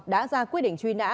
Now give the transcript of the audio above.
đã ra quyết định truy nã